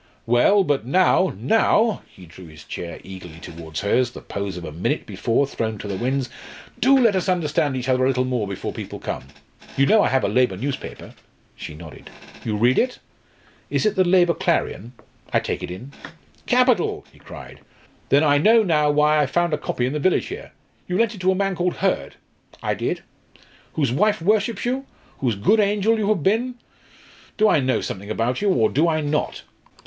Well, but now now" he drew his chair eagerly towards hers, the pose of a minute before thrown to the winds "do let us understand each other a little more before people come. You know I have a labour newspaper?" She nodded. "You read it?" "Is it the Labour Clarion? I take it in." "Capital!" he cried. "Then I know now why I found a copy in the village here. You lent it to a man called Hurd?" "I did." "Whose wife worships you? whose good angel you have been? Do I know something about you, or do I not?